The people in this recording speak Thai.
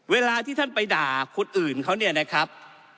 เวลาที่ท่านไปด่าคนอื่นเขาเนี่ยนะครับ